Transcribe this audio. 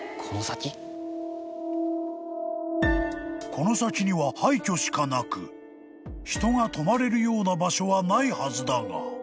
［この先には廃墟しかなく人が泊まれるような場所はないはずだが］